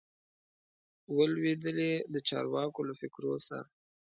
وه لوېدلي د چارواکو له فکرو سه